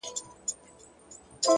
پوهه د راتلونکو پریکړو رڼا ده’